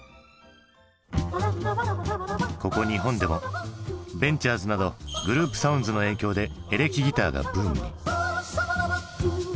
ここ日本でもベンチャーズなどグループサウンズの影響でエレキギターがブームに。